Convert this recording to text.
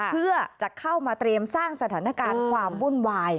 เพื่อจะเข้ามาเตรียมสร้างสถานการณ์ความวุ่นวาย